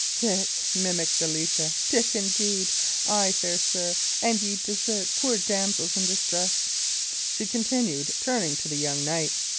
"Dick!" mimicked Alicia. "Dick, indeed! Ay, fair sir, and ye desert poor damsels in distress," she continued, turning to the young knight.